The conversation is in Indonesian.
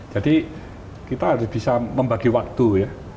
jadi kita harus bisa membagi waktu ya